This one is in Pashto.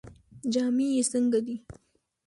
جامې یې څنګه دي؟